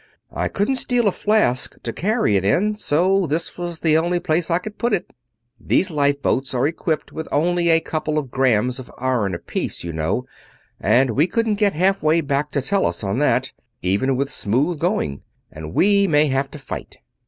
I couldn't steal a flask to carry it in, so this was the only place I could put it. These lifeboats are equipped with only a couple of grams of iron apiece, you know, and we couldn't get half way back to Tellus on that, even with smooth going; and we may have to fight.